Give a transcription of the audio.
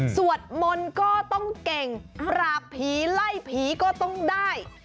สวดมนต์ก็ต้องเก่งปราบผีไล่ผีก็ต้องได้